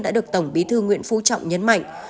đã được tổng bí thư nguyễn phú trọng nhấn mạnh